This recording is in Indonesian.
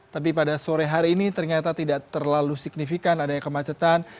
tapi pada sore hari ini ternyata tidak terlalu signifikan adanya kemacetan